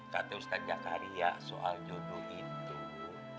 kata ustadz jakaria soal jodoh itu itu urusin